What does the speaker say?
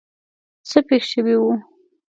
څه پېښ شوي وو.